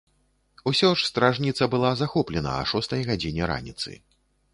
Усё ж стражніца была захоплена а шостай гадзіне раніцы.